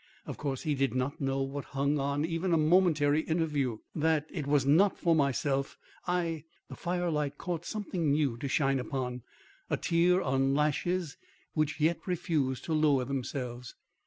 Of course, he did not know what hung on even a momentary interview. That it was not for myself I " The firelight caught something new to shine upon a tear on lashes which yet refused to lower themselves.